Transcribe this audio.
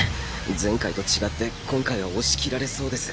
前回と違って今回は押し切られそうです。